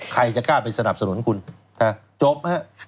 ใครจะก้าวไปสนับสนุนคุณจบครับ